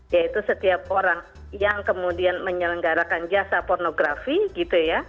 yaitu setiap orang yang kemudian menyelenggarakan jasa pornografi